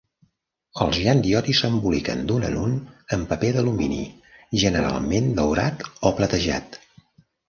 Els Gianduiotti s'emboliquen d'un en un en paper d'alumini, generalment daurat o platejat.